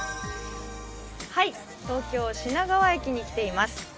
東京・品川駅に来ています。